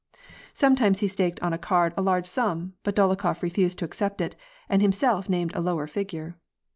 Sometimes* he staked on a card a large sum, but Dolokhof refused to accept it, and himself named a lower figure.